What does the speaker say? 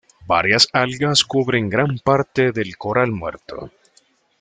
Varias algas cubren gran parte del coral muerto.